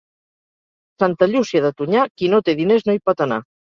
Santa Llúcia de Tonyà, qui no té diners no hi pot anar.